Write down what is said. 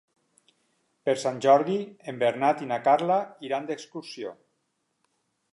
Per Sant Jordi en Bernat i na Carla iran d'excursió.